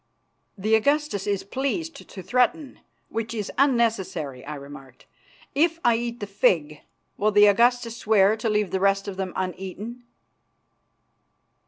"The Augustus is pleased to threaten, which is unnecessary," I remarked. "If I eat the fig, will the Augustus swear to leave the rest of them uneaten?"